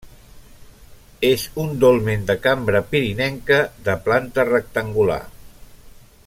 És un dolmen de cambra pirinenca de planta rectangular.